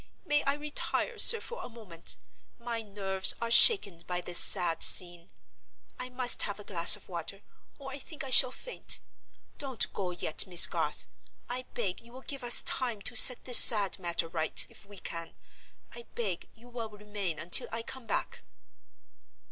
May I retire, sir, for a moment? My nerves are shaken by this sad scene. I must have a glass of water, or I think I shall faint. Don't go yet, Miss Garth. I beg you will give us time to set this sad matter right, if we can—I beg you will remain until I come back."